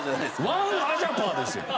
ワンアジャパーですやん。